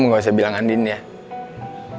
kalau saya minta tolong om untuk selidiki om